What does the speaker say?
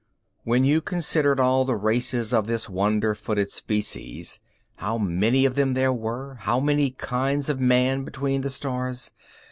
When you considered all the races of this wander footed species how many of them there were, how many kinds of man between the stars!